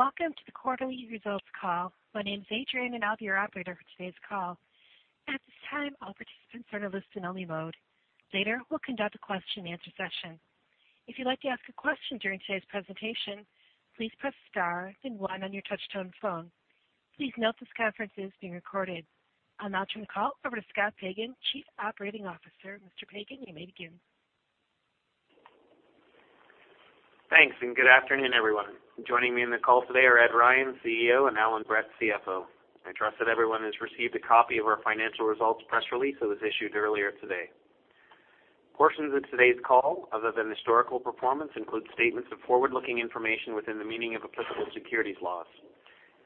Welcome to the quarterly results call. My name is Adrienne, and I'll be your operator for today's call. At this time, all participants are in a listen-only mode. Later, we'll conduct a question and answer session. If you'd like to ask a question during today's presentation, please press star then one on your touch-tone phone. Please note this conference is being recorded. I'll now turn the call over to Scott Pagan, Chief Operating Officer. Mr. Pagan, you may begin. Thanks. Good afternoon, everyone. Joining me on the call today are Ed Ryan, CEO, and Allan Brett, CFO. I trust that everyone has received a copy of our financial results press release that was issued earlier today. Portions of today's call other than historical performance include statements of forward-looking information within the meaning of applicable securities laws.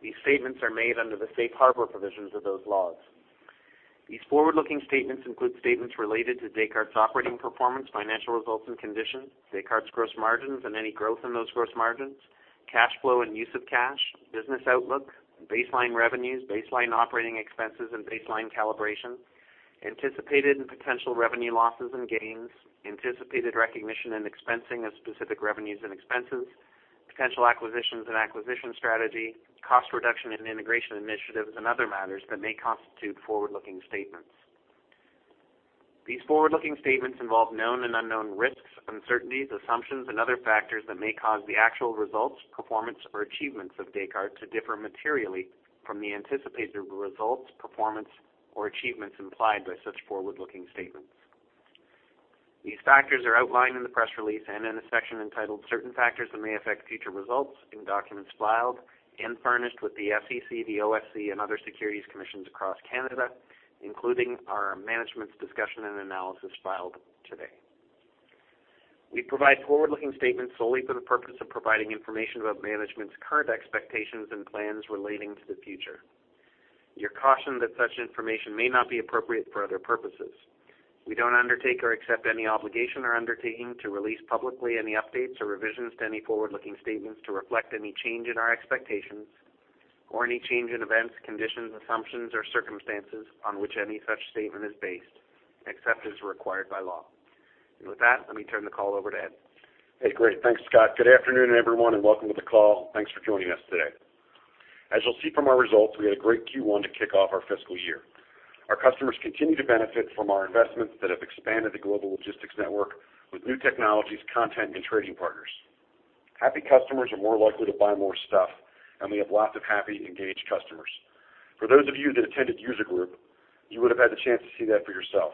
These statements are made under the safe harbor provisions of those laws. These forward-looking statements include statements related to Descartes' operating performance, financial results and conditions, Descartes' gross margins and any growth in those gross margins, cash flow and use of cash, business outlook, baseline revenues, baseline operating expenses and baseline calibration, anticipated and potential revenue losses and gains, anticipated recognition and expensing of specific revenues and expenses, potential acquisitions and acquisition strategy, cost reduction and integration initiatives and other matters that may constitute forward-looking statements. These forward-looking statements involve known and unknown risks, uncertainties, assumptions and other factors that may cause the actual results, performance, or achievements of Descartes to differ materially from the anticipated results, performance, or achievements implied by such forward-looking statements. These factors are outlined in the press release and in a section entitled Certain Factors That May Affect Future Results in documents filed and furnished with the SEC, the OSC and other securities commissions across Canada, including our management's discussion and analysis filed today. We provide forward-looking statements solely for the purpose of providing information about management's current expectations and plans relating to the future. You're cautioned that such information may not be appropriate for other purposes. We don't undertake or accept any obligation or undertaking to release publicly any updates or revisions to any forward-looking statements to reflect any change in our expectations or any change in events, conditions, assumptions, or circumstances on which any such statement is based, except as required by law. With that, let me turn the call over to Ed. Great. Thanks, Scott. Good afternoon, everyone, and welcome to the call. Thanks for joining us today. As you'll see from our results, we had a great Q1 to kick off our fiscal year. Our customers continue to benefit from our investments that have expanded the global logistics network with new technologies, content, and trading partners. Happy customers are more likely to buy more stuff, and we have lots of happy, engaged customers. For those of you that attended User Group, you would have had the chance to see that for yourself.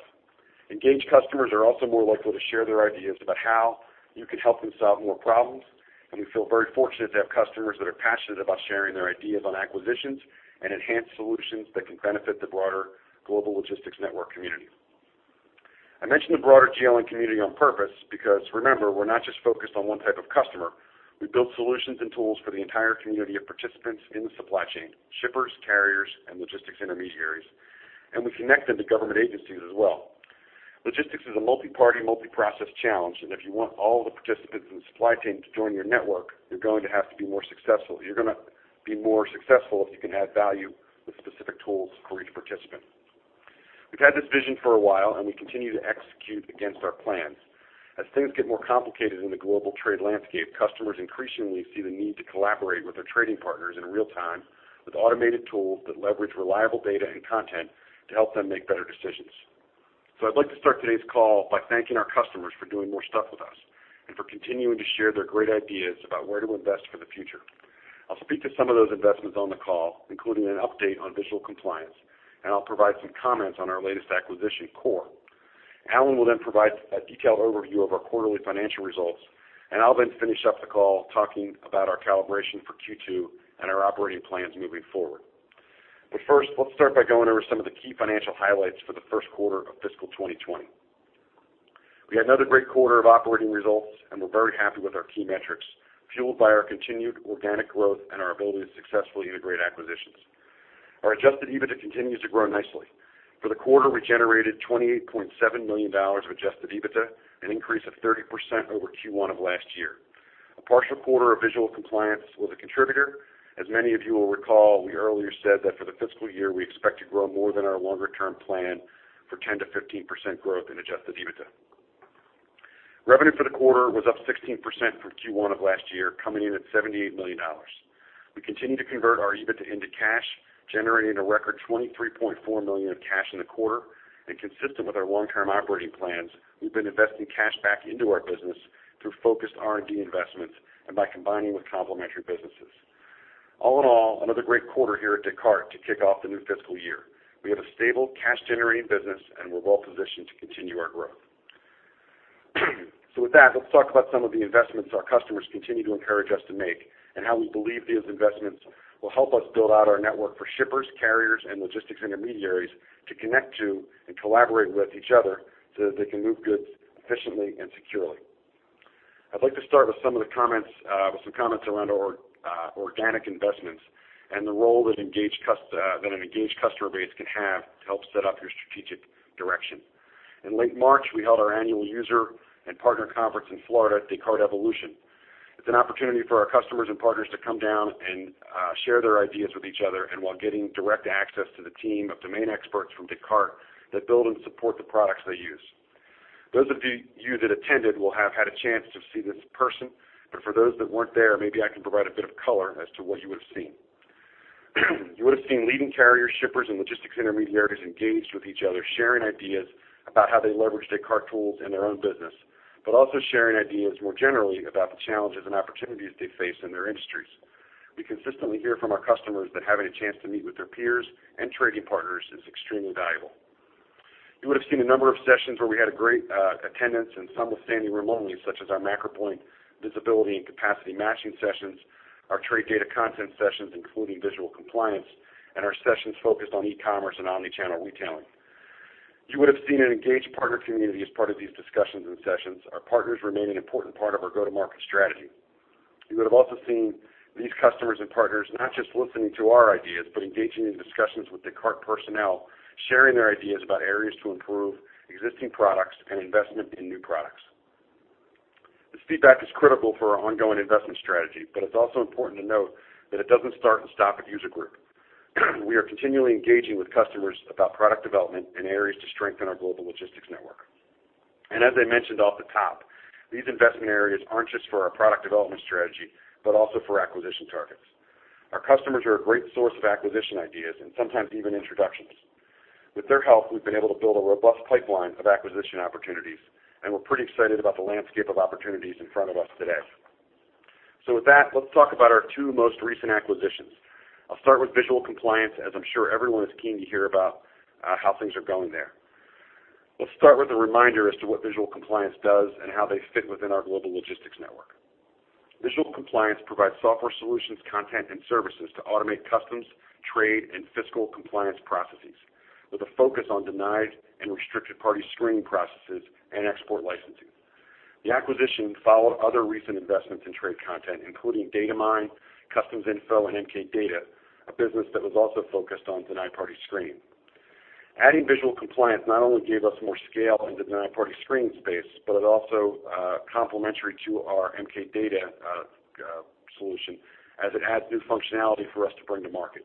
Engaged customers are also more likely to share their ideas about how you can help them solve more problems, and we feel very fortunate to have customers that are passionate about sharing their ideas on acquisitions and enhanced solutions that can benefit the broader global logistics network community. I mentioned the broader GLN community on purpose because remember, we're not just focused on one type of customer. We build solutions and tools for the entire community of participants in the supply chain, shippers, carriers, and logistics intermediaries, and we connect them to government agencies as well. Logistics is a multi-party, multi-process challenge. If you want all the participants in the supply chain to join your network, you're going to have to be more successful. You're going to be more successful if you can add value with specific tools for each participant. We've had this vision for a while, and we continue to execute against our plans. As things get more complicated in the global trade landscape, customers increasingly see the need to collaborate with their trading partners in real time with automated tools that leverage reliable data and content to help them make better decisions. I'd like to start today's call by thanking our customers for doing more stuff with us and for continuing to share their great ideas about where to invest for the future. I'll speak to some of those investments on the call, including an update on Visual Compliance, and I'll provide some comments on our latest acquisition, CORE. Allan will then provide a detailed overview of our quarterly financial results, and I'll then finish up the call talking about our calibration for Q2 and our operating plans moving forward. First, let's start by going over some of the key financial highlights for the first quarter of fiscal 2020. We had another great quarter of operating results, and we're very happy with our key metrics, fueled by our continued organic growth and our ability to successfully integrate acquisitions. Our adjusted EBITDA continues to grow nicely. For the quarter, we generated $28.7 million of adjusted EBITDA, an increase of 30% over Q1 of last year. A partial quarter of Visual Compliance was a contributor. As many of you will recall, we earlier said that for the fiscal year, we expect to grow more than our longer-term plan for 10%-15% growth in adjusted EBITDA. Revenue for the quarter was up 16% from Q1 of last year, coming in at $78 million. We continue to convert our EBITDA into cash, generating a record $23.4 million of cash in the quarter. Consistent with our long-term operating plans, we've been investing cash back into our business through focused R&D investments and by combining with complementary businesses. All in all, another great quarter here at Descartes to kick off the new fiscal year. We have a stable, cash-generating business, and we're well positioned to continue our growth. With that, let's talk about some of the investments our customers continue to encourage us to make and how we believe these investments will help us build out our network for shippers, carriers, and logistics intermediaries to connect to and collaborate with each other so that they can move goods efficiently and securely. I'd like to start with some comments around our organic investments and the role that an engaged customer base can have to help set up your strategic direction. In late March, we held our annual user and partner conference in Florida, Descartes Evolution. It's an opportunity for our customers and partners to come down and share their ideas with each other and while getting direct access to the team of domain experts from Descartes that build and support the products they use. Those of you that attended will have had a chance to see this in person, but for those that weren't there, maybe I can provide a bit of color as to what you would've seen. You would've seen leading carrier shippers and logistics intermediaries engaged with each other, sharing ideas about how they leveraged Descartes tools in their own business, but also sharing ideas more generally about the challenges and opportunities they face in their industries. We consistently hear from our customers that having a chance to meet with their peers and trading partners is extremely valuable. You would've seen a number of sessions where we had a great attendance and some with standing room only, such as our MacroPoint visibility and capacity matching sessions, our trade data content sessions, including Visual Compliance, and our sessions focused on e-commerce and omni-channel retailing. You would've seen an engaged partner community as part of these discussions and sessions. Our partners remain an important part of our go-to-market strategy. You would've also seen these customers and partners not just listening to our ideas, but engaging in discussions with Descartes personnel, sharing their ideas about areas to improve existing products and investment in new products. This feedback is critical for our ongoing investment strategy, but it's also important to note that it doesn't start and stop at user group. We are continually engaging with customers about product development and areas to strengthen our global logistics network. As I mentioned off the top, these investment areas aren't just for our product development strategy, but also for acquisition targets. Our customers are a great source of acquisition ideas, and sometimes even introductions. With their help, we've been able to build a robust pipeline of acquisition opportunities, and we're pretty excited about the landscape of opportunities in front of us today. With that, let's talk about our two most recent acquisitions. I'll start with Visual Compliance, as I'm sure everyone is keen to hear about how things are going there. Let's start with a reminder as to what Visual Compliance does and how they fit within our global logistics network. Visual Compliance provides software solutions, content, and services to automate customs, trade, and fiscal compliance processes with a focus on denied and restricted party screening processes and export licensing. The acquisition followed other recent investments in trade content, including Datamyne, Customs Info, and MK Data, a business that was also focused on denied party screening. Adding Visual Compliance not only gave us more scale in the denied party screening space, it also complementary to our MK Data solution as it adds new functionality for us to bring to market.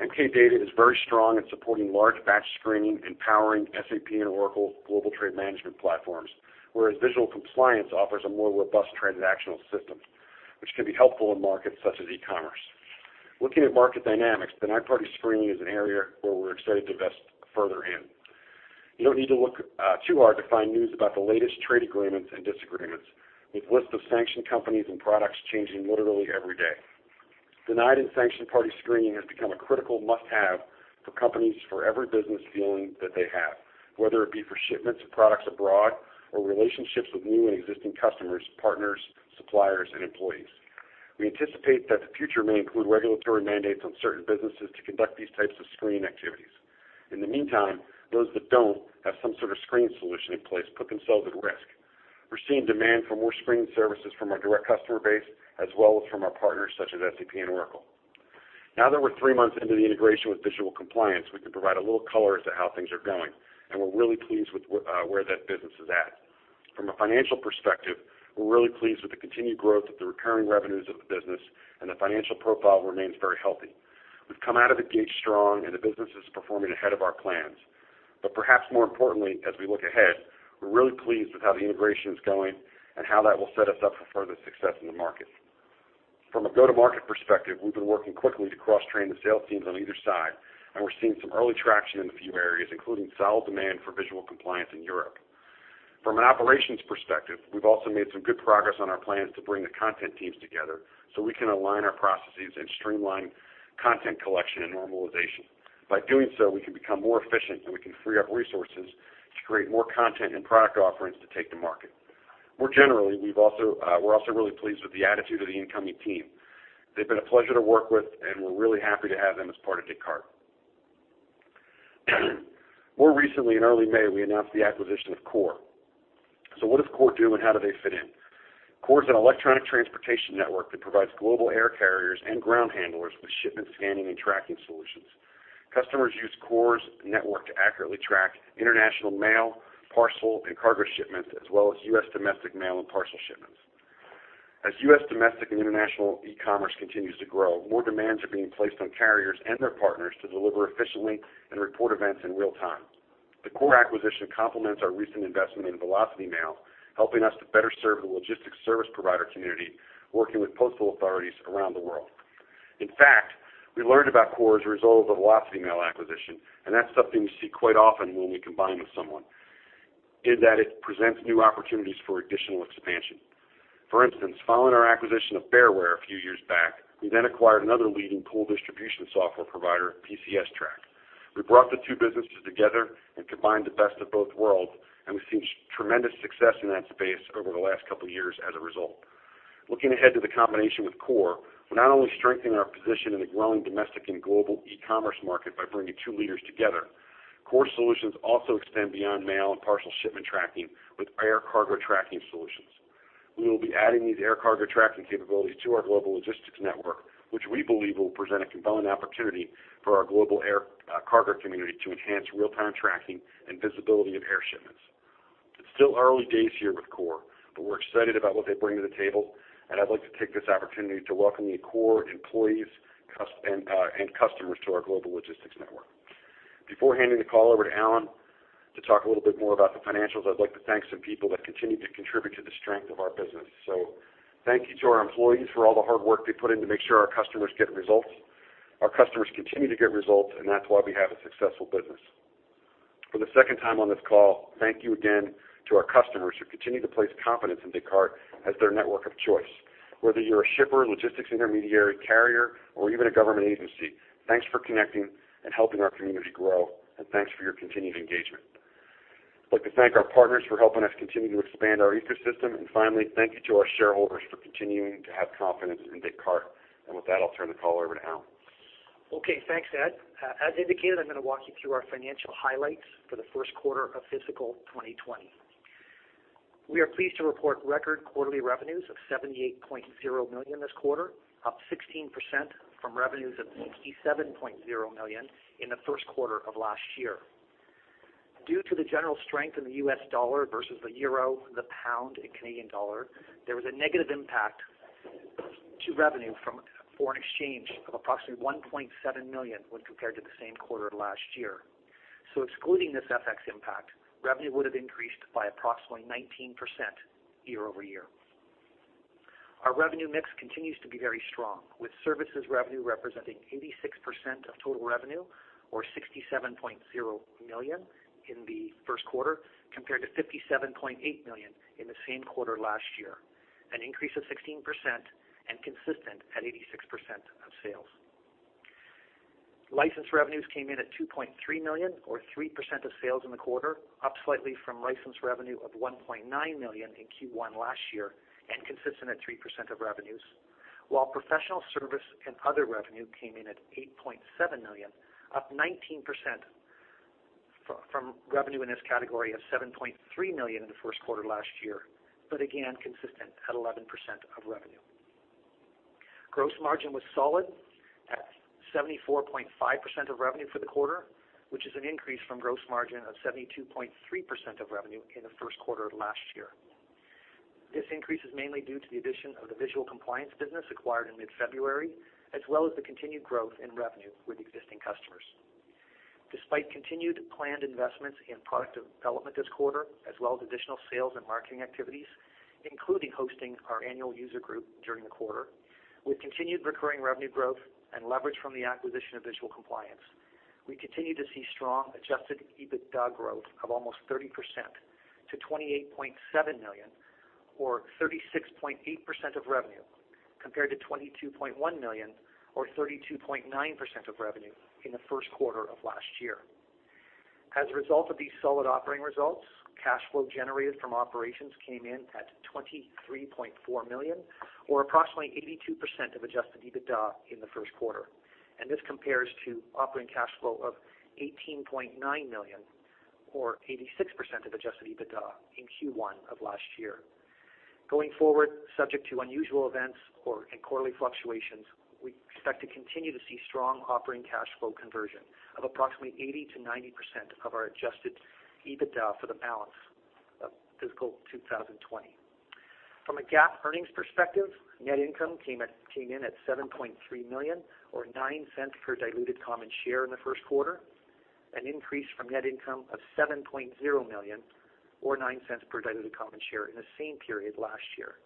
MK Data is very strong in supporting large batch screening, empowering SAP and Oracle global trade management platforms, whereas Visual Compliance offers a more robust transactional system, which can be helpful in markets such as e-commerce. Looking at market dynamics, denied party screening is an area where we're excited to invest further in. You don't need to look too hard to find news about the latest trade agreements and disagreements, with lists of sanctioned companies and products changing literally every day. Denied and restricted party screening has become a critical must-have for companies for every business dealing that they have, whether it be for shipments of products abroad or relationships with new and existing customers, partners, suppliers, and employees. We anticipate that the future may include regulatory mandates on certain businesses to conduct these types of screening activities. In the meantime, those that don't have some sort of screening solution in place put themselves at risk. We're seeing demand for more screening services from our direct customer base, as well as from our partners, such as SAP and Oracle. That we're three months into the integration with Visual Compliance, we can provide a little color as to how things are going, and we're really pleased with where that business is at. From a financial perspective, we're really pleased with the continued growth of the recurring revenues of the business, and the financial profile remains very healthy. We've come out of the gate strong, and the business is performing ahead of our plans. Perhaps more importantly, as we look ahead, we're really pleased with how the integration is going and how that will set us up for further success in the market. From a go-to-market perspective, we've been working quickly to cross-train the sales teams on either side, and we're seeing some early traction in a few areas, including solid demand for Visual Compliance in Europe. From an operations perspective, we've also made some good progress on our plans to bring the content teams together so we can align our processes and streamline content collection and normalization. By doing so, we can become more efficient, and we can free up resources to create more content and product offerings to take to market. More generally, we're also really pleased with the attitude of the incoming team. They've been a pleasure to work with, and we're really happy to have them as part of Descartes. More recently, in early May, we announced the acquisition of CORE. What does CORE do, and how do they fit in? CORE's an electronic transportation network that provides global air carriers and ground handlers with shipment scanning and tracking solutions. Customers use CORE's network to accurately track international mail, parcel, and cargo shipments, as well as U.S. domestic mail and parcel shipments. As U.S. domestic and international e-commerce continues to grow, more demands are being placed on carriers and their partners to deliver efficiently and report events in real time. The CORE acquisition complements our recent investment in VelocityMail, helping us to better serve the logistics service provider community working with postal authorities around the world. In fact, we learned about CORE as a result of the VelocityMail acquisition, and that's something we see quite often when we combine with someone, is that it presents new opportunities for additional expansion. For instance, following our acquisition of BearWare a few years back, we then acquired another leading pool distribution software provider, PCSTrac. We brought the two businesses together and combined the best of both worlds, and we've seen tremendous success in that space over the last couple of years as a result. Looking ahead to the combination with CORE, we're not only strengthening our position in the growing domestic and global e-commerce market by bringing two leaders together. CORE solutions also extend beyond mail and parcel shipment tracking with air cargo tracking solutions. We will be adding these air cargo tracking capabilities to our global logistics network, which we believe will present a compelling opportunity for our global air cargo community to enhance real-time tracking and visibility of air shipments. It's still early days here with CORE, but we're excited about what they bring to the table, and I'd like to take this opportunity to welcome the CORE employees and customers to our global logistics network. Before handing the call over to Allan to talk a little bit more about the financials, I'd like to thank some people that continue to contribute to the strength of our business. Thank you to our employees for all the hard work they put in to make sure our customers get results. Our customers continue to get results, and that's why we have a successful business. For the second time on this call, thank you again to our customers who continue to place confidence in Descartes as their network of choice. Whether you're a shipper, logistics intermediary, carrier, or even a government agency, thanks for connecting and helping our community grow, and thanks for your continued engagement. I'd like to thank our partners for helping us continue to expand our ecosystem. Finally, thank you to our shareholders for continuing to have confidence in Descartes. With that, I'll turn the call over to Allan. Okay. Thanks, Ed. As indicated, I'm going to walk you through our financial highlights for the first quarter of fiscal 2020. We are pleased to report record quarterly revenues of $78.0 million this quarter, up 16% from revenues of $67.0 million in the first quarter of last year. Due to the general strength in the U.S. dollar versus the euro, the pound, and Canadian dollar, there was a negative impact to revenue from foreign exchange of approximately $1.7 million when compared to the same quarter last year. Excluding this FX impact, revenue would've increased by approximately 19% year over year. Our revenue mix continues to be very strong, with services revenue representing 86% of total revenue, or $67.0 million in the first quarter, compared to $57.8 million in the same quarter last year, an increase of 16% and consistent at 86% of sales. License revenues came in at $2.3 million or 3% of sales in the quarter, up slightly from license revenue of $1.9 million in Q1 last year and consistent at 3% of revenues. While professional service and other revenue came in at $8.7 million, up 19% from revenue in this category of $7.3 million in the first quarter last year, but again, consistent at 11% of revenue. Gross margin was solid at 74.5% of revenue for the quarter, which is an increase from gross margin of 72.3% of revenue in the first quarter of last year. This increase is mainly due to the addition of the Visual Compliance business acquired in mid-February, as well as the continued growth in revenue with existing customers. Despite continued planned investments in product development this quarter, as well as additional sales and marketing activities, including hosting our annual user group during the quarter, with continued recurring revenue growth and leverage from the acquisition of Visual Compliance, we continue to see strong adjusted EBITDA growth of almost 30% to $28.7 million or 36.8% of revenue, compared to $22.1 million or 32.9% of revenue in the first quarter of last year. As a result of these solid operating results, cash flow generated from operations came in at $23.4 million or approximately 82% of adjusted EBITDA in the first quarter. This compares to operating cash flow of $18.9 million or 86% of adjusted EBITDA in Q1 of last year. Going forward, subject to unusual events or in quarterly fluctuations, we expect to continue to see strong operating cash flow conversion of approximately 80%-90% of our adjusted EBITDA for the balance of fiscal 2020. From a GAAP earnings perspective, net income came in at $7.3 million or $0.09 per diluted common share in the first quarter, an increase from net income of $7.0 million or $0.09 per diluted common share in the same period last year.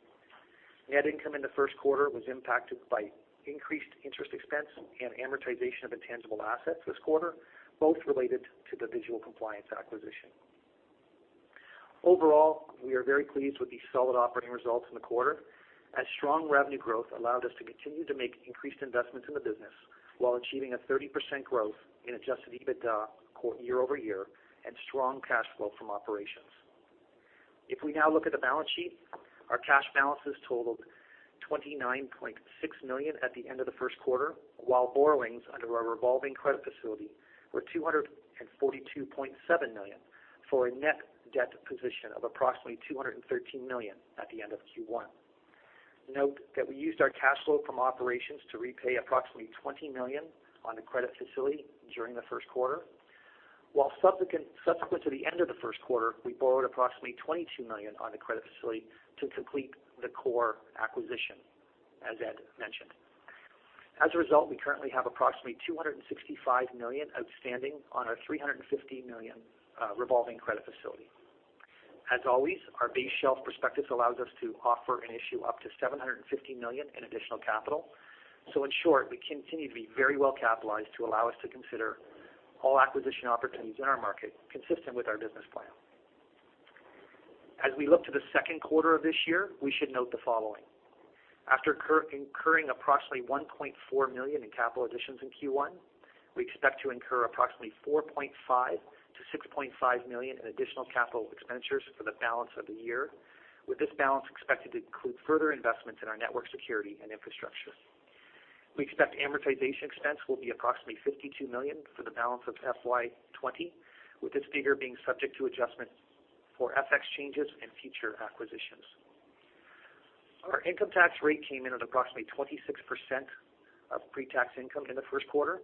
Net income in the first quarter was impacted by increased interest expense and amortization of intangible assets this quarter, both related to the Visual Compliance acquisition. Overall, we are very pleased with the solid operating results in the quarter, as strong revenue growth allowed us to continue to make increased investments in the business while achieving a 30% growth in adjusted EBITDA year-over-year and strong cash flow from operations. If we now look at the balance sheet, our cash balances totaled $29.6 million at the end of the first quarter, while borrowings under our revolving credit facility were $242.7 million, for a net debt position of approximately $213 million at the end of Q1. Note that we used our cash flow from operations to repay approximately $20 million on the credit facility during the first quarter. While subsequent to the end of the first quarter, we borrowed approximately $22 million on the credit facility to complete the CORE acquisition, as Ed mentioned. As a result, we currently have approximately $265 million outstanding on our $350 million revolving credit facility. As always, our base shelf prospectus allows us to offer and issue up to $750 million in additional capital. In short, we continue to be very well capitalized to allow us to consider all acquisition opportunities in our market consistent with our business plan. As we look to the second quarter of this year, we should note the following. After incurring approximately $1.4 million in capital additions in Q1, we expect to incur approximately $4.5 million-$6.5 million in additional capital expenditures for the balance of the year, with this balance expected to include further investments in our network security and infrastructure. We expect amortization expense will be approximately $52 million for the balance of FY 2020, with this figure being subject to adjustment for FX changes and future acquisitions. Our income tax rate came in at approximately 26% of pre-tax income in the first quarter,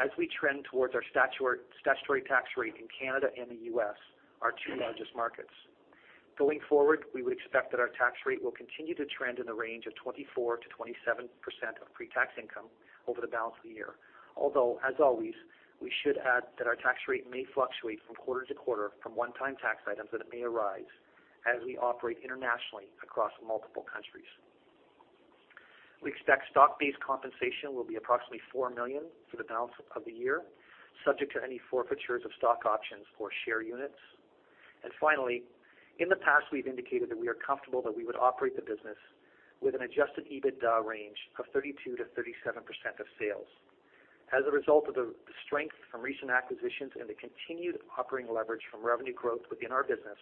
as we trend towards our statutory tax rate in Canada and the U.S., our two largest markets. Going forward, we would expect that our tax rate will continue to trend in the range of 24%-27% of pre-tax income over the balance of the year. Although, as always, we should add that our tax rate may fluctuate from quarter to quarter from one-time tax items that may arise as we operate internationally across multiple countries. We expect stock-based compensation will be approximately $4 million for the balance of the year, subject to any forfeitures of stock options or share units. Finally, in the past, we've indicated that we are comfortable that we would operate the business with an adjusted EBITDA range of 32%-37% of sales. As a result of the strength from recent acquisitions and the continued operating leverage from revenue growth within our business,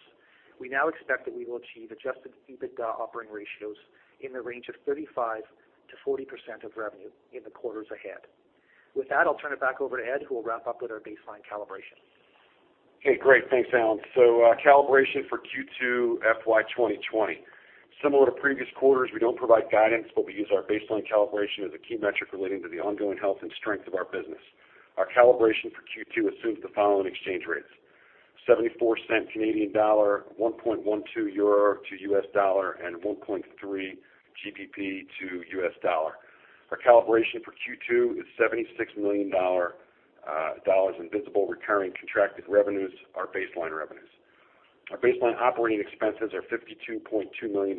we now expect that we will achieve adjusted EBITDA operating ratios in the range of 35%-40% of revenue in the quarters ahead. With that, I'll turn it back over to Ed, who will wrap up with our baseline calibration. Okay, great. Thanks, Allan. Calibration for Q2 FY 2020. Similar to previous quarters, we don't provide guidance, but we use our baseline calibration as a key metric relating to the ongoing health and strength of our business. Our calibration for Q2 assumes the following exchange rates: $0.74 Canadian dollar, 1.12 euro to US dollar, and 1.3 GBP to US dollar. Our calibration for Q2 is $76 million in visible recurring contracted revenues, our baseline revenues. Our baseline operating expenses are $52.2 million,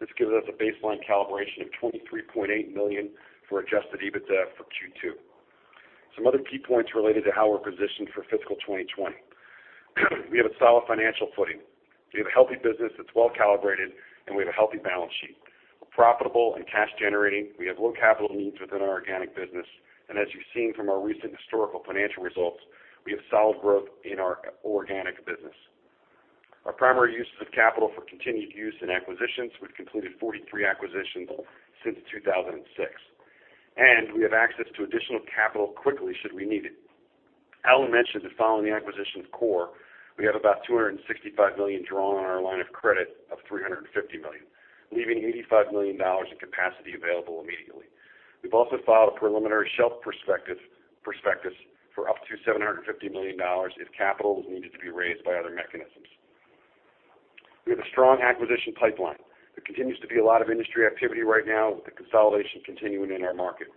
which gives us a baseline calibration of $23.8 million for adjusted EBITDA for Q2. Some other key points related to how we're positioned for fiscal 2020. We have a solid financial footing. We have a healthy business that's well-calibrated, and we have a healthy balance sheet. We're profitable and cash-generating. We have low capital needs within our organic business. As you've seen from our recent historical financial results, we have solid growth in our organic business. Our primary use of capital for continued use in acquisitions, we've completed 43 acquisitions since 2006. We have access to additional capital quickly should we need it. Allan mentioned that following the acquisition of CORE, we have about $265 million drawn on our line of credit of $350 million, leaving $85 million in capacity available immediately. We've also filed a preliminary shelf prospectus for up to $750 million if capital was needed to be raised by other mechanisms. We have a strong acquisition pipeline. There continues to be a lot of industry activity right now with the consolidation continuing in our market.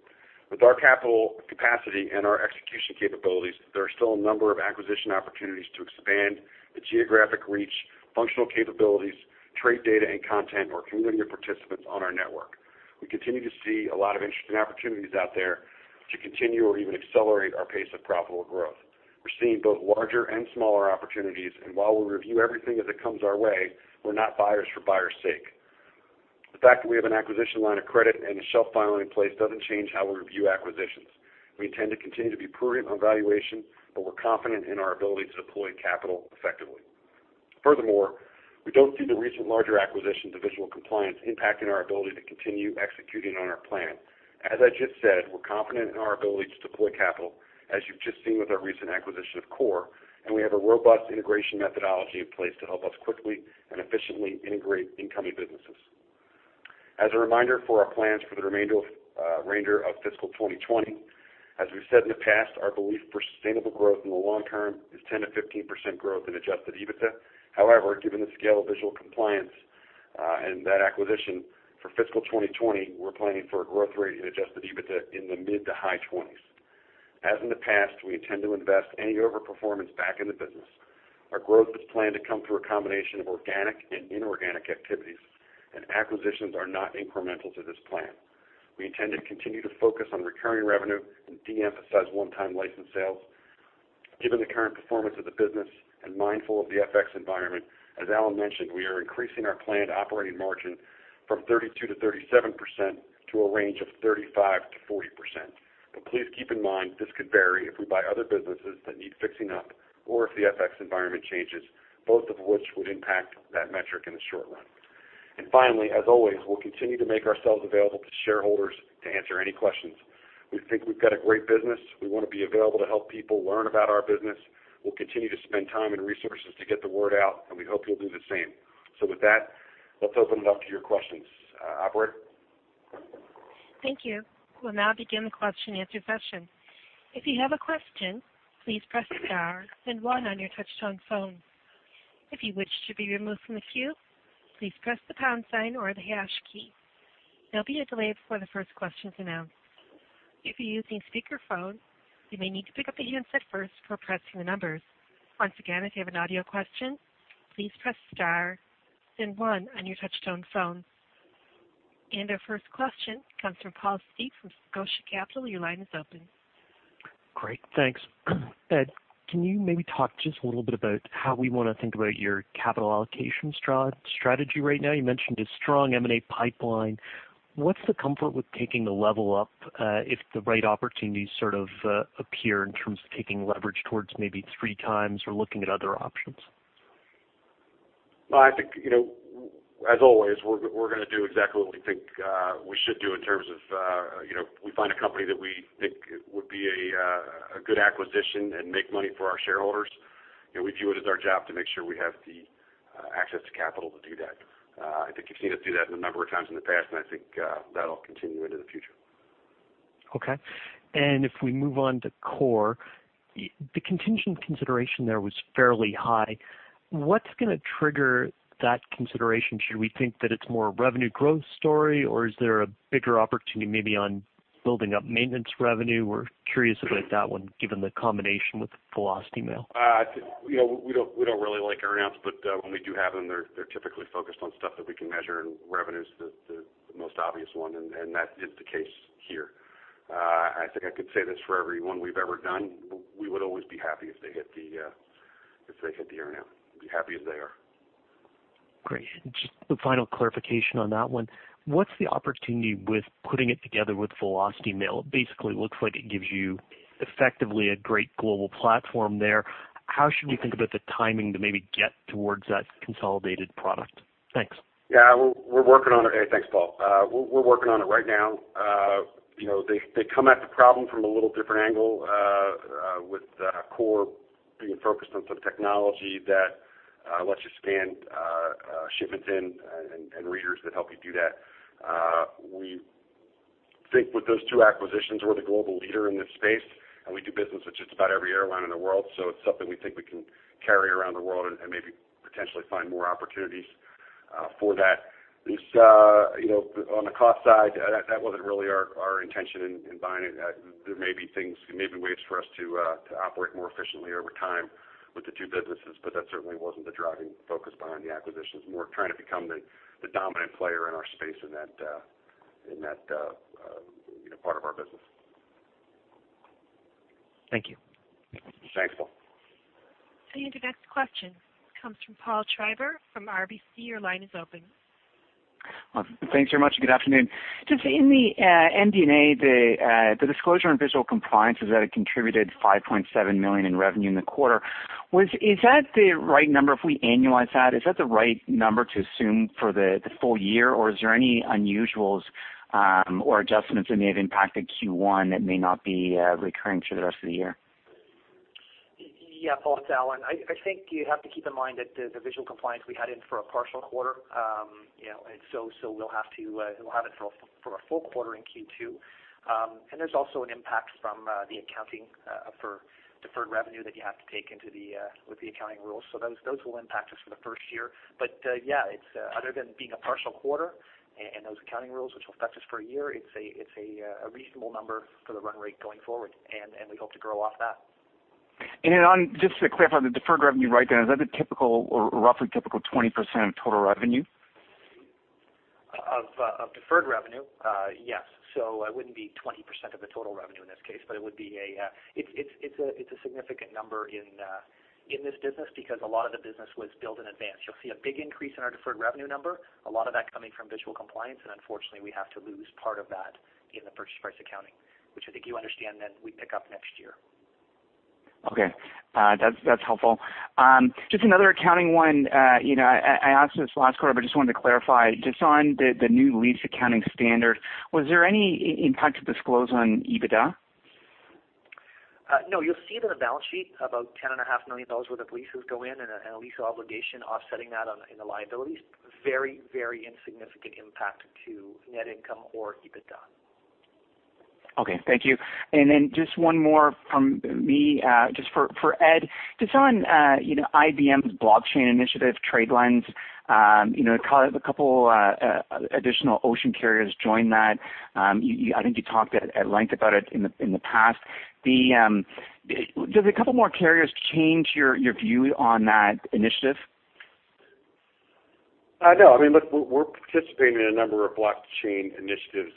With our capital capacity and our execution capabilities, there are still a number of acquisition opportunities to expand the geographic reach, functional capabilities, trade data and content, or community of participants on our network. We continue to see a lot of interesting opportunities out there to continue or even accelerate our pace of profitable growth. We're seeing both larger and smaller opportunities, and while we'll review everything as it comes our way, we're not buyers for buyers' sake. The fact that we have an acquisition line of credit and a shelf filing in place doesn't change how we review acquisitions. We intend to continue to be prudent on valuation, but we're confident in our ability to deploy capital effectively. Furthermore, we don't see the recent larger acquisition of Visual Compliance impacting our ability to continue executing on our plan. As I just said, we're confident in our ability to deploy capital, as you've just seen with our recent acquisition of CORE, and we have a robust integration methodology in place to help us quickly and efficiently integrate incoming businesses. As a reminder for our plans for the remainder of fiscal 2020, as we've said in the past, our belief for sustainable growth in the long term is 10%-15% growth in adjusted EBITDA. However, given the scale of Visual Compliance and that acquisition for fiscal 2020, we're planning for a growth rate in adjusted EBITDA in the mid-to-high 20s. As in the past, we intend to invest any over-performance back in the business. Our growth is planned to come through a combination of organic and inorganic activities, and acquisitions are not incremental to this plan. We intend to continue to focus on recurring revenue and de-emphasize one-time license sales. Given the current performance of the business and mindful of the FX environment, as Allan mentioned, we are increasing our planned operating margin from 32%-37% to a range of 35%-40%. Please keep in mind, this could vary if we buy other businesses that need fixing up or if the FX environment changes, both of which would impact that metric in the short run. Finally, as always, we'll continue to make ourselves available to shareholders to answer any questions. We think we've got a great business. We want to be available to help people learn about our business. We'll continue to spend time and resources to get the word out, and we hope you'll do the same. With that, let's open it up to your questions. Operator? Thank you. We'll now begin the question and answer session. If you have a question, please press star then one on your touch-tone phone. If you wish to be removed from the queue, please press the pound sign or the hash key. There'll be a delay before the first question is announced. If you're using speakerphone, you may need to pick up the handset first before pressing the numbers. Once again, if you have an audio question, please press star then one on your touch-tone phone. Our first question comes from Paul Steep from Scotia Capital. Your line is open. Great. Thanks. Ed, can you maybe talk just a little bit about how we want to think about your capital allocation strategy right now? You mentioned a strong M&A pipeline. What's the comfort with taking the level up, if the right opportunities sort of appear in terms of taking leverage towards maybe three times or looking at other options? Well, I think, as always, we're going to do exactly what we think we should do in terms of if we find a company that we think would be a good acquisition and make money for our shareholders, we view it as our job to make sure we have the access to capital to do that. I think you've seen us do that a number of times in the past, I think that'll continue into the future. Okay. If we move on to CORE, the contingent consideration there was fairly high. What's going to trigger that consideration? Should we think that it's more a revenue growth story, or is there a bigger opportunity maybe on building up maintenance revenue? We're curious about that one, given the combination with VelocityMail. We don't really like earn-outs, but when we do have them, they're typically focused on stuff that we can measure, and revenue's the most obvious one, and that is the case here. I think I could say this for every one we've ever done. We would always be happy if they hit the earn-out. We'd be happy if they are. Great. Just the final clarification on that one. What's the opportunity with putting it together with VelocityMail? It basically looks like it gives you effectively a great global platform there. How should we think about the timing to maybe get towards that consolidated product? Thanks. Yeah, we're working on it. Hey, thanks, Paul. We're working on it right now. They come at the problem from a little different angle, with CORE being focused on some technology that lets you scan shipments in and readers that help you do that. We think with those two acquisitions, we're the global leader in this space, and we do business with just about every airline in the world. It's something we think we can carry around the world and maybe potentially find more opportunities for that. On the cost side, that wasn't really our intention in buying it. There may be ways for us to operate more efficiently over time with the two businesses, but that certainly wasn't the driving focus behind the acquisitions. More trying to become the dominant player in our space in that part of our business. Thank you. Thanks, Paul. Your next question comes from Paul Treiber from RBC. Your line is open. Thanks very much. Good afternoon. Just in the MD&A, the disclosure on Visual Compliance is that it contributed $5.7 million in revenue in the quarter. Is that the right number if we annualize that? Is that the right number to assume for the full year, or is there any unusuals or adjustments that may have impacted Q1 that may not be recurring through the rest of the year? Yeah, Paul, it's Allan. I think you have to keep in mind that the Visual Compliance we had in for a partial quarter, so we'll have it for a full quarter in Q2. There's also an impact from the accounting for deferred revenue that you have to take with the accounting rules. Those will impact us for the first year. Yeah, other than being a partial quarter and those accounting rules which will affect us for a year, it's a reasonable number for the run rate going forward, and we hope to grow off that. Just to clarify the deferred revenue right there, is that a typical or roughly typical 20% of total revenue? Of deferred revenue? Yes. It wouldn't be 20% of the total revenue in this case, but it's a significant number in this business because a lot of the business was built in advance. You'll see a big increase in our deferred revenue number, a lot of that coming from Visual Compliance, and unfortunately, we have to lose part of that in the purchase price accounting, which I think you understand then we pick up next year. Okay. That's helpful. Just another accounting one. I asked this last quarter, but just wanted to clarify, just on the new lease accounting standard, was there any impact to disclose on EBITDA? No, you'll see it on the balance sheet, about $10.5 million worth of leases go in and a lease obligation offsetting that in the liabilities. Very insignificant impact to net income or EBITDA. Okay. Thank you. Just one more from me, just for Ed, just on IBM's blockchain initiative, TradeLens, a couple additional ocean carriers joined that. I think you talked at length about it in the past. Does a couple more carriers change your view on that initiative? No. I mean, look, we're participating in a number of blockchain initiatives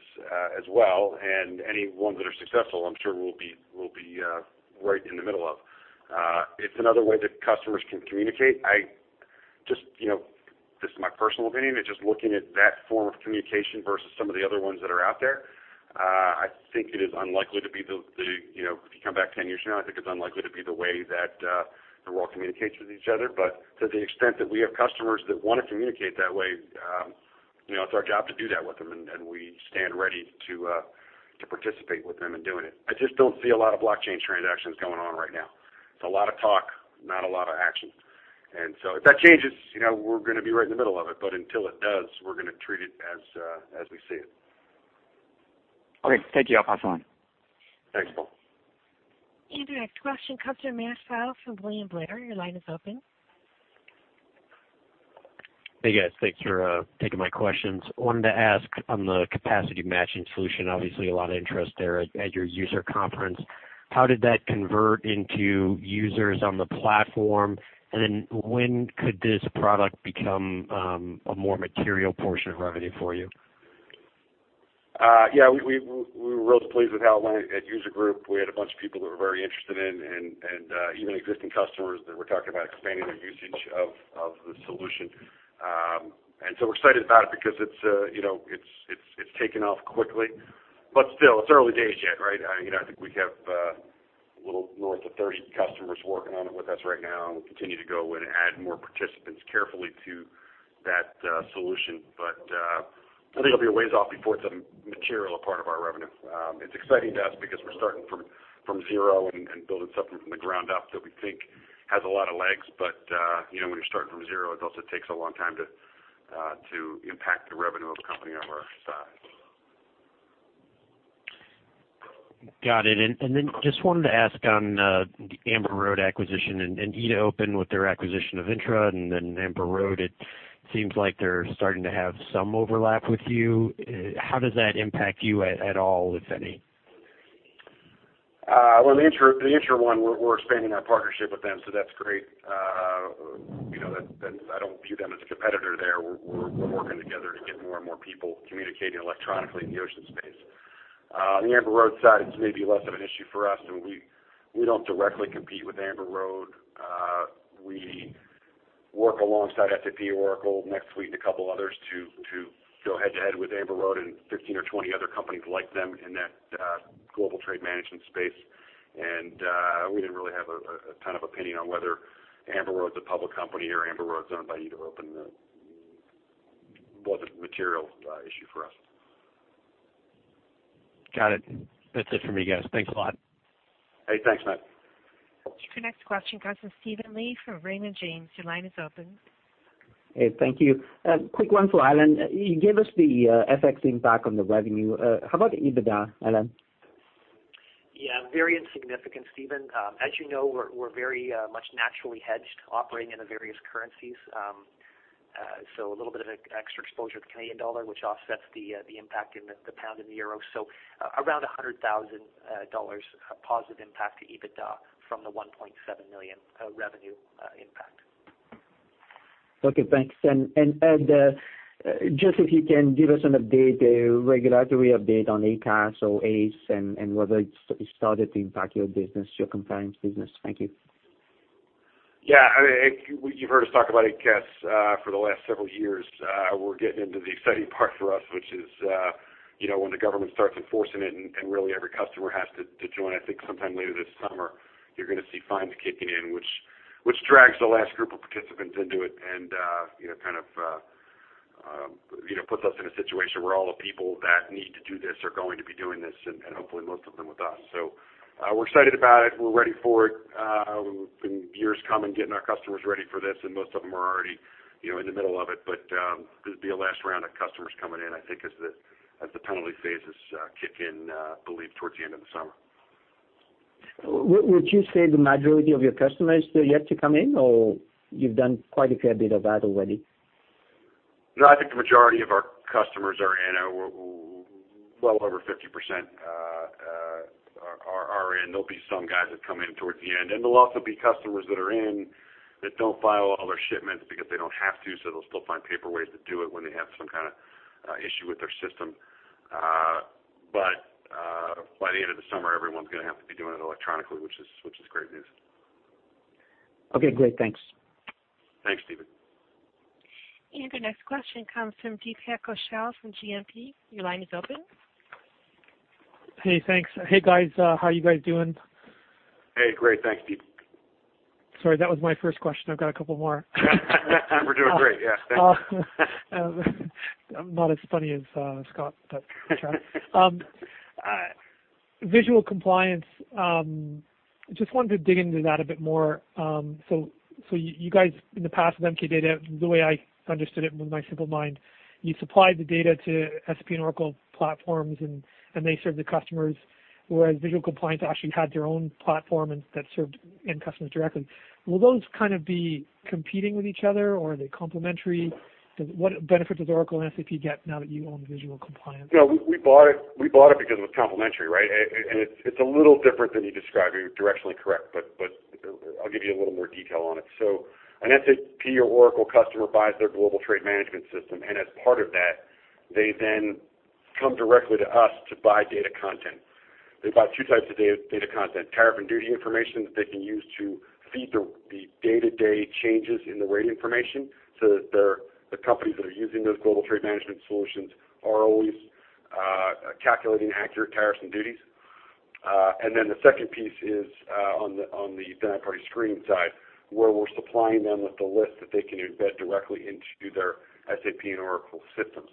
as well. Any ones that are successful, I'm sure we'll be right in the middle of. It's another way that customers can communicate. This is my personal opinion, just looking at that form of communication versus some of the other ones that are out there, if you come back 10 years from now, I think it's unlikely to be the way that the world communicates with each other. To the extent that we have customers that want to communicate that way, it's our job to do that with them, and we stand ready to participate with them in doing it. I just don't see a lot of blockchain transactions going on right now. It's a lot of talk, not a lot of action. If that changes, we're going to be right in the middle of it, until it does, we're going to treat it as we see it. Okay. Thank you. I'll pass along. Thanks, Paul. Your next question comes from Matt Pfau from William Blair. Your line is open. Hey, guys. Thanks for taking my questions. Wanted to ask on the capacity matching solution, obviously a lot of interest there at your user conference. How did that convert into users on the platform, then when could this product become a more material portion of revenue for you? Yeah, we were real pleased with how it went at User Group. We had a bunch of people that were very interested in and even existing customers that were talking about expanding their usage of the solution. We're excited about it because it's taken off quickly. Still, it's early days yet, right? I think we have a little north of 30 customers working on it with us right now, and we'll continue to go and add more participants carefully to that solution. I think it'll be a ways off before it's a material part of our revenue. It's exciting to us because we're starting from zero and building something from the ground up that we think has a lot of legs. When you're starting from zero, it also takes a long time to impact the revenue of a company of our size. Got it. Just wanted to ask on the Amber Road acquisition and E2open with their acquisition of INTTRA and then Amber Road, it seems like they are starting to have some overlap with you. How does that impact you at all, if any? Well, the INTTRA one, we're expanding our partnership with them, so that's great. I don't view them as a competitor there. We're working together to get more and more people communicating electronically in the ocean space. The Amber Road side is maybe less of an issue for us, and we don't directly compete with Amber Road. We work alongside SAP, Oracle, NetSuite, and a couple of others to go head-to-head with Amber Road and 15 or 20 other companies like them in that global trade management space. We didn't really have a ton of opinion on whether Amber Road's a public company or Amber Road's owned by E2open. It wasn't a material issue for us. Got it. That's it for me, guys. Thanks a lot. Hey, thanks, Matt. Your next question comes from Steven Li from Raymond James. Your line is open. Hey, thank you. A quick one for Allan. You gave us the FX impact on the revenue. How about EBITDA, Allan? Yeah, very insignificant, Steven. As you know, we're very much naturally hedged operating in the various currencies. A little bit of extra exposure to the Canadian dollar, which offsets the impact in the pound and the euro. Around $100,000 positive impact to EBITDA from the $1.7 million revenue impact. Okay, thanks. Edward, just if you can give us an update, a regulatory update on ACAS or ACE, and whether it started to impact your business, your compliance business. Thank you. You've heard us talk about ACAS for the last several years. We're getting into the exciting part for us, which is when the government starts enforcing it and really every customer has to join. I think sometime later this summer, you're going to see fines kicking in, which drags the last group of participants into it and kind of puts us in a situation where all the people that need to do this are going to be doing this, and hopefully most of them with us. We're excited about it. We're ready for it. We've been years coming, getting our customers ready for this, and most of them are already in the middle of it. There'll be a last round of customers coming in, I think, as the penalty phases kick in, I believe towards the end of the summer. Would you say the majority of your customers are yet to come in, or you've done quite a fair bit of that already? No, I think the majority of our customers are in, well over 50% are in. There'll be some guys that come in towards the end, and there'll also be customers that are in that don't file all their shipments because they don't have to, so they'll still find paper ways to do it when they have some kind of issue with their system. By the end of the summer, everyone's going to have to be doing it electronically, which is great news. Okay, great. Thanks. Thanks, Steven. Your next question comes from Deepak Goel from GMP. Your line is open. Hey, thanks. Hey, guys. How are you guys doing? Hey, great. Thanks, Deepak. Sorry, that was my first question. I've got a couple more. We're doing great, yeah. I'm not as funny as Scott, but okay. Visual Compliance. I just wanted to dig into that a bit more. You guys, in the past with MK Data, the way I understood it with my simple mind, you supplied the data to SAP and Oracle platforms, and they served the customers, whereas Visual Compliance actually had their own platform that served end customers directly. Will those kind of be competing with each other, or are they complementary? What benefit does Oracle and SAP get now that you own Visual Compliance? We bought it because it was complementary, right? It's a little different than you described. You're directionally correct, but I'll give you a little more detail on it. An SAP or Oracle customer buys their global trade management system, and as part of that, they then come directly to us to buy data content. They buy 2 types of data content, tariff and duty information that they can use to feed the day-to-day changes in the rate information so that the companies that are using those global trade management solutions are always calculating accurate tariffs and duties. The second piece is on the third-party screen side, where we're supplying them with the list that they can embed directly into their SAP and Oracle systems.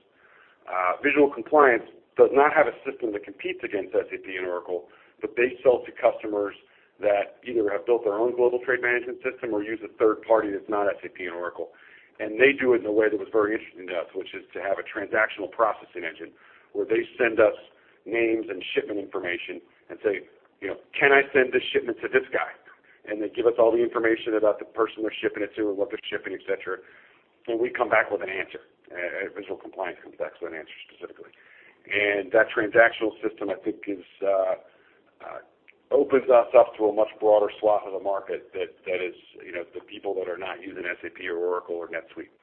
Visual Compliance does not have a system that competes against SAP and Oracle, but they sell to customers that either have built their own global trade management system or use a third party that's not SAP and Oracle. They do it in a way that was very interesting to us, which is to have a transactional processing engine, where they send us names and shipment information and say, "Can I send this shipment to this guy?" They give us all the information about the person they're shipping it to and what they're shipping, et cetera, and we come back with an answer. Visual Compliance comes back with an answer specifically. That transactional system, I think, opens us up to a much broader swath of the market that is the people that are not using SAP or Oracle or NetSuite.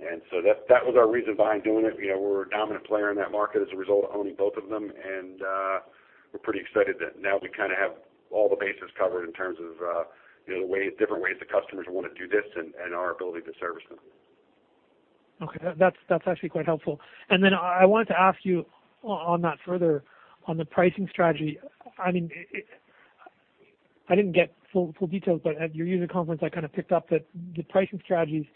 That was our reason behind doing it. We're a dominant player in that market as a result of owning both of them, and we're pretty excited that now we kind of have all the bases covered in terms of the different ways the customers want to do this and our ability to service them. Okay. That's actually quite helpful. I wanted to ask you on that further, on the pricing strategy. I didn't get full details, but at your user conference, I picked up that the pricing strategies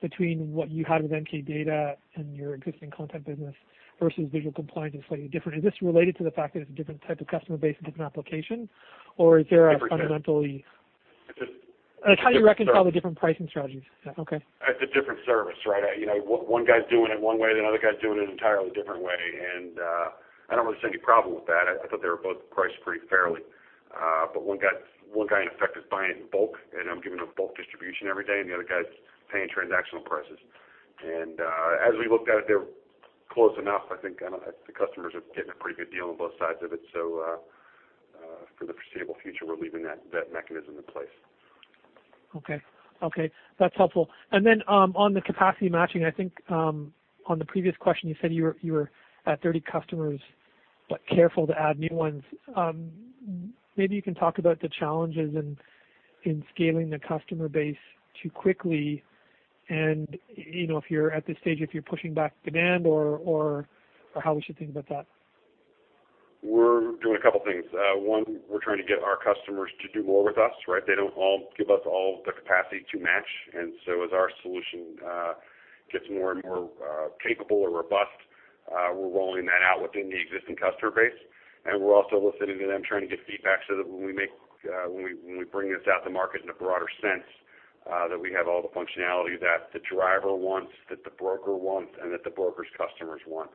between what you had with MK Data and your existing content business versus Visual Compliance is slightly different. Is this related to the fact that it's a different type of customer base and different application, or is there a fundamentally- Different service. How do you reconcile the different pricing strategies? Yeah, okay. It's a different service, right? One guy's doing it one way, the other guy's doing it an entirely different way, I don't really see any problem with that. I thought they were both priced pretty fairly. One guy, in effect, is buying it in bulk, I'm giving him bulk distribution every day, the other guy's paying transactional prices. As we looked at it, they were close enough, I think. The customers are getting a pretty good deal on both sides of it. For the foreseeable future, we're leaving that mechanism in place. Okay. That's helpful. On the capacity matching, I think on the previous question, you said you were at 30 customers, but careful to add new ones. Maybe you can talk about the challenges in scaling the customer base too quickly and if you're at the stage, if you're pushing back demand or how we should think about that. We're doing a couple things. One, we're trying to get our customers to do more with us, right? They don't all give us all the capacity to match. As our solution gets more and more capable or robust, we're rolling that out within the existing customer base. We're also listening to them, trying to get feedback so that when we bring this out to market in a broader sense, that we have all the functionality that the driver wants, that the broker wants, and that the broker's customers want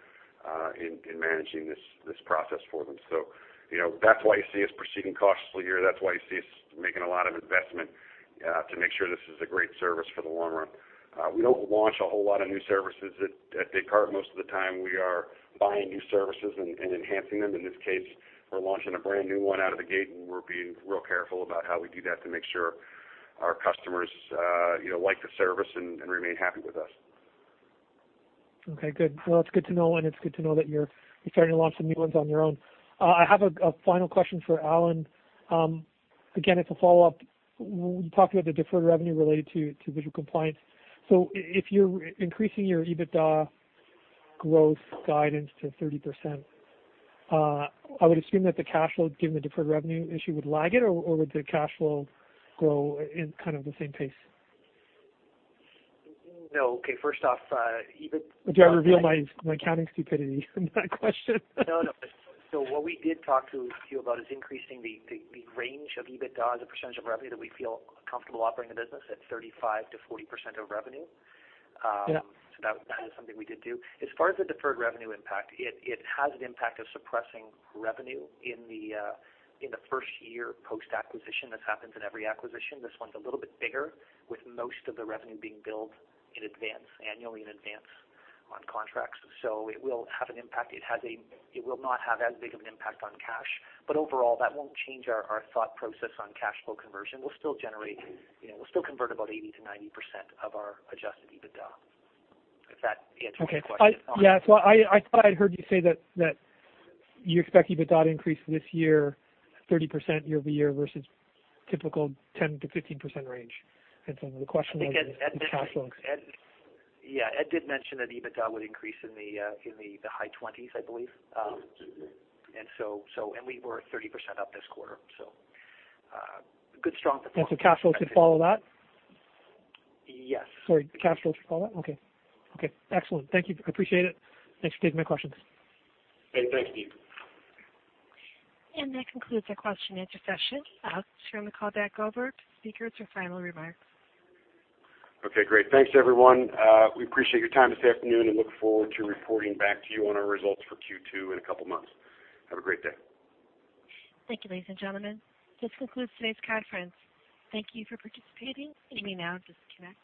in managing this process for them. That's why you see us proceeding cautiously here. That's why you see us making a lot of investment to make sure this is a great service for the long run. We don't launch a whole lot of new services at Descartes. Most of the time we are buying new services and enhancing them. In this case, we're launching a brand-new one out of the gate, and we're being real careful about how we do that to make sure our customers like the service and remain happy with us. Okay, good. Well, that's good to know, and it's good to know that you're starting to launch some new ones on your own. I have a final question for Allan. Again, it's a follow-up. You talked about the deferred revenue related to Visual Compliance. If you're increasing your EBITDA growth guidance to 30%, I would assume that the cash flow, given the deferred revenue issue, would lag it or would the cash flow grow in the same pace? No. Okay, first off, EBITDA. Did I reveal my accounting stupidity in that question? No. What we did talk to you about is increasing the range of EBITDA as a percentage of revenue that we feel comfortable operating the business at 35%-40% of revenue. Yeah. That is something we did do. As far as the deferred revenue impact, it has an impact of suppressing revenue in the first year post-acquisition. This happens in every acquisition. This one's a little bit bigger, with most of the revenue being billed in advance annually, in advance on contracts. It will have an impact. It will not have as big of an impact on cash, but overall, that won't change our thought process on cash flow conversion. We'll still convert about 80%-90% of our adjusted EBITDA. If that answers your question. Okay. Yeah. I thought I'd heard you say that you expect EBITDA to increase this year 30% year-over-year versus typical 10%-15% range. The question was I think Ed the cash flow. Yeah, Ed did mention that EBITDA would increase in the high 20s, I believe. Yes. We were 30% up this quarter, so good, strong performance. Cash flow could follow that? Yes. Sorry, cash flow should follow it? Okay. Excellent. Thank you. I appreciate it. Thanks for taking my questions. Hey, thank you. That concludes the question and answer session. I'll turn the call back over to speakers for final remarks. Okay, great. Thanks, everyone. We appreciate your time this afternoon and look forward to reporting back to you on our results for Q2 in a couple of months. Have a great day. Thank you, ladies and gentlemen. This concludes today's conference. Thank you for participating. You may now disconnect.